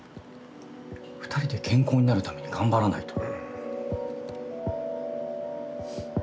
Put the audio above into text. ２人で健康になるために頑張らないと。